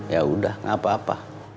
yaudah gak apa apa